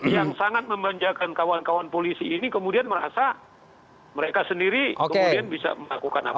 yang sangat membanjakan kawan kawan polisi ini kemudian merasa mereka sendiri kemudian bisa melakukan apa